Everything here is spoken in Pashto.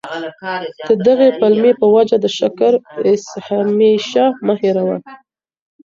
د دغي پلمې په وجه د شکر ایسهمېشه مه هېروه.